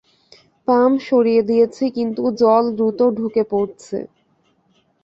Pump সারিয়ে দিয়েছি, কিন্তু জল দ্রুত ঢুকে পড়ছে।